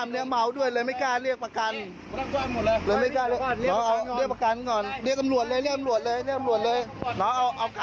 นี่นะครับชนเด็กเล็ก